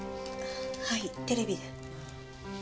はいテレビで。